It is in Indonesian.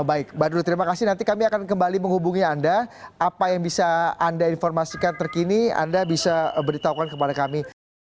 baik badru terima kasih nanti kami akan kembali menghubungi anda apa yang bisa anda informasikan terkini anda bisa beritahukan kepada kami